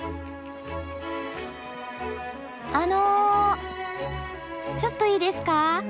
あのちょっといいですか？